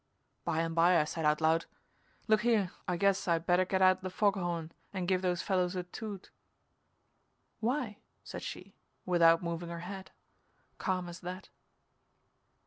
By and by I said out loud: "Look here, I guess I better get out the fog horn and give those fellows a toot." "Why?" said she, without moving her head calm as that.